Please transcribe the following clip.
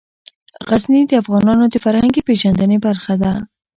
غزني د افغانانو د فرهنګي پیژندنې برخه ده.